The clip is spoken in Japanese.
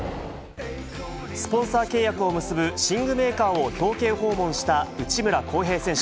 スポンサー契約を結ぶ、寝具メーカーを表敬訪問した内村航平選手。